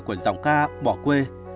của giọng ca bỏ quê